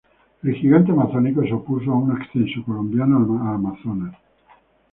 El gigante amazónico se opuso a un acceso colombiano al Amazonas.